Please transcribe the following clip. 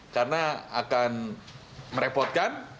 karena akan merepotkan